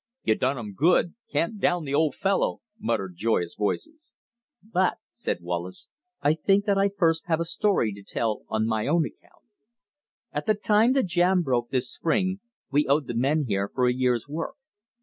"You done 'em good." "Can't down the Old Fellow," muttered joyous voices. "But," said Wallace, "I think that I first have a story to tell on my own account. "At the time the jam broke this spring, we owed the men here for a year's work.